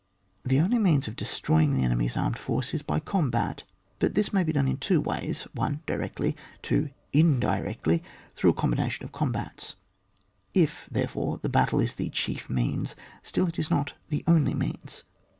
The only means of destroying the enemy's armed force is by combat, but this may be done in two ways : 1 , directly, 2, indirectly, through a combination of combats. — If, therefore, the battle is the chief means, still it is not the only means.